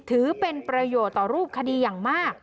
ถือเป็นประโยชน์ต่อรูปคดีอย่างมาก